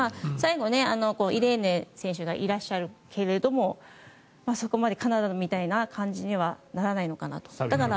最後、イレーネ選手がいらっしゃるけどもそこまでカナダみたいな感じにはならないのかなと。